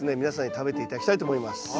皆さんに食べて頂きたいと思います。